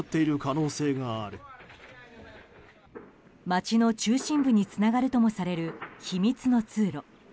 街の中心部につながるともされる秘密の通路。